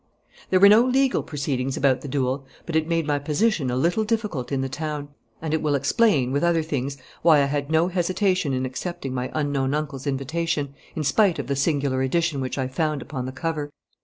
There were no legal proceedings about the duel, but it made my position a little difficult in the town, and it will explain, with other things, why I had no hesitation in accepting my unknown uncle's invitation, in spite of the singular addition which I found upon the cover.